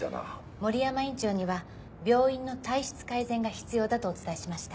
森山院長には病院の体質改善が必要だとお伝えしました。